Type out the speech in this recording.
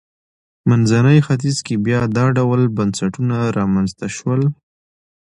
منځني ختیځ کې بیا دا ډول بنسټونه رامنځته شول.